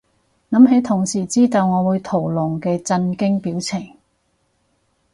諗起同事知道我會屠龍嘅震驚表情